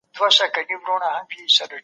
زه الله جل جلاله پېژنم.